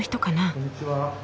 こんにちは。